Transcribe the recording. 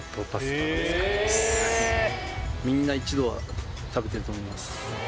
みんな一度は食べてると思います